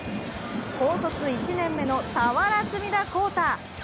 高卒１年目の俵積田晃太！